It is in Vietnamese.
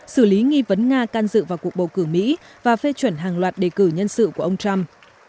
xử lý nghi vấn nga can dự vào cuộc bầu cử mỹ và phê chuẩn hàng loạt đề cử nhân sự của ông trump